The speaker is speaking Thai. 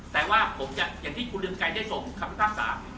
แต่ว่าผมจะอย่างที่คุณลืมไกลได้สมคำสั่งสาร